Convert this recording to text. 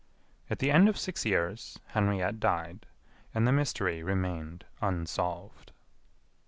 At the end of six years, Henriette died, and the mystery remained unsolved.